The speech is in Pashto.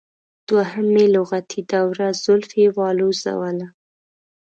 دوهمې لغتې د وره زولفی والوزوله.